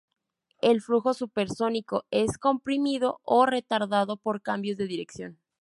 El flujo supersónico es comprimido o retardado por cambios de dirección.